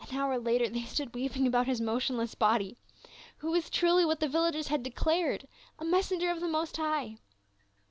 An hour later they stood weeping about his motion less body, who was truly what the villagers had de clared, a messenger of the Most High.